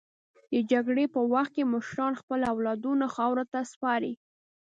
د جګړې په وخت کې مشران خپل اولادونه خاورو ته سپاري.